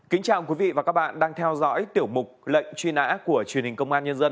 kính chào quý vị và các bạn đang theo dõi tiểu mục lệnh truy nã của truyền hình công an nhân dân